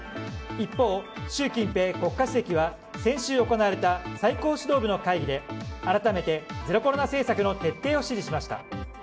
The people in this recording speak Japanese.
一方、習近平国家主席は先週行われた最高指導部の会議で改めてゼロコロナ政策の徹底を指示しました。